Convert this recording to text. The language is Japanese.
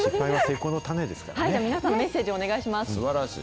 皆さん、メッセージをお願い